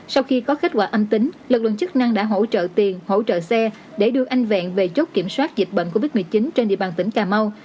sau khi có kết quả âm tính lực lượng chức năng đã hỗ trợ tiền hỗ trợ xe để đưa anh vẹn về chốt kiểm soát dịch bệnh covid một mươi chín trên địa bàn tỉnh cà mau